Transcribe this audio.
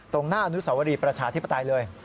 ตรงหน้าอนุสวรีประชาธิปไตยเลย